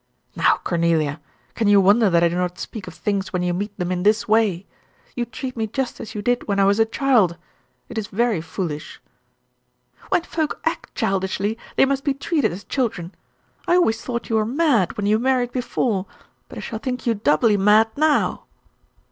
"Now, Cornelia, can you wonder that I do not speak of things when you meet them in this way? You treat me just as you did when I was a child. It is very foolish." "When folk act childishly, they must be treated as children. I always thought you were mad when you married before, but I shall think you doubly mad now."